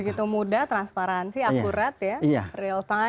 begitu mudah transparansi akurat ya real time